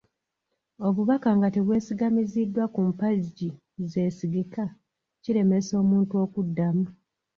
Obubaka nga tebwesigamiziddwa ku mpagi zeesigika, kiremesa omuntu okuddamu.